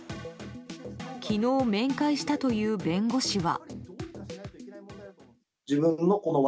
昨日、面会したという弁護士は。